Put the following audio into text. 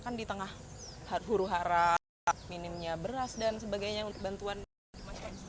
kan di tengah huru hara minimnya beras dan sebagainya untuk bantuan dan sebagainya